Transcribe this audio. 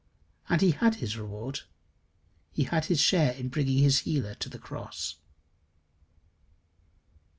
And he had his reward. He had his share in bringing his healer to the cross.